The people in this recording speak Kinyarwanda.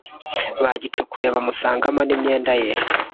bagicukuye bamusangamo n’imyenda ye